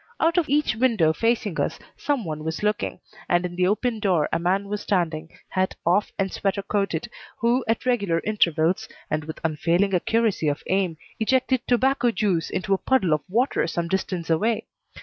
Out of each window facing us some one was looking, and in the open door a man was standing, hat off and sweater coated, who, at regular intervals, and with unfailing accuracy of aim, ejected tobacco juice into a puddle of water some distance away.